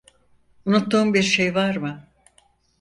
Unuttuğum bir şey var mı?